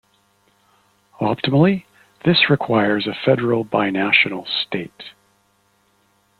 Optimally this requires a federal binational state.